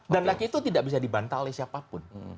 dan lagi itu tidak bisa dibantah oleh siapapun